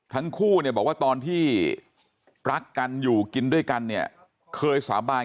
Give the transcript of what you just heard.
ทั้งคู่เนี่ยบอกว่าตอนที่รักกันอยู่กินด้วยกันเนี่ยเคยสาบาน